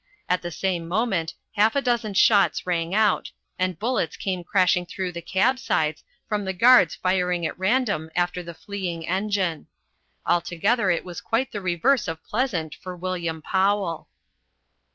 At the same moment half a dozen shots rang out, and bullets came crashing through the cab sides from the guards firing at random after the fleeing engine. Altogether it was quite the reverse of pleasant for William Powell.